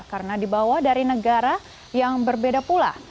karena dibawa dari negara yang berbeda pula